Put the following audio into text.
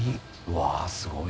わぁすごい。